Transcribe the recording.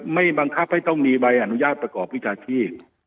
ไม่บังคับให้ต้องมีใบอนุญาตประกอบวิชาชีพ